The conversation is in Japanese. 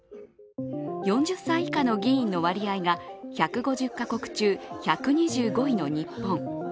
４０歳以下の議員の割合が１５０か国中、１２５位の日本。